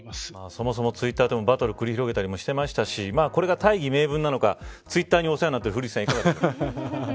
そもそもツイッターでもいいバトルを繰り広げたりもしていますしこれが大義名分なのかツイッターにお世話になっている古市さん